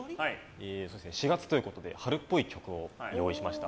４月ということで春っぽい曲を用意しました。